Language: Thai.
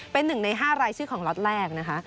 เป็นหนึ่งในห้ารายชื่อของล็อตแรก